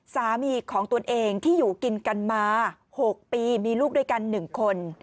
สามีของตนเองที่อยู่กินกันมา๖ปีมีลูกด้วยกัน๑คน